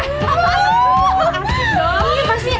wah terima kasih dong